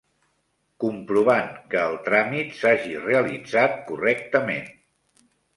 Comprovant que el tràmit s'hagi realitzat correctament.